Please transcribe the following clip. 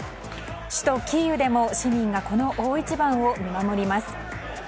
首都キーウでも市民がこの大一番を見守ります。